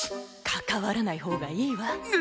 関わらないほうがいいわ。